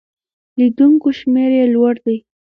د لیدونکو شمېر یې لوړ دی.